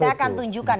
saya akan tunjukkan ya